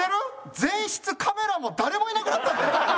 前室カメラも誰もいなくなったんだよ？